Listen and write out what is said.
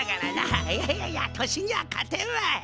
いやいやいや年には勝てんわい！